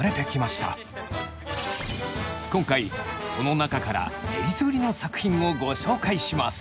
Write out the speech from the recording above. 今回その中からえりすぐりの作品をご紹介します。